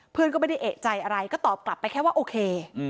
เพื่อนก็ไม่ได้เอกใจอะไรก็ตอบกลับไปแค่ว่าโอเค